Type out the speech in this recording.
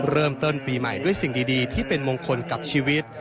เริ่มต้นปีใหม่ด้วยสิ่งดีที่เป็นมงคลกับชีวิต